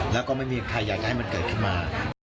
แล้วก็ไม่มีใครอยากจะให้มันเกิดขึ้นมา